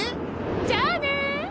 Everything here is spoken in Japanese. じゃあね！